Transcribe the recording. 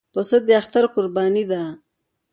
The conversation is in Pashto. پسه د اختر قرباني ده.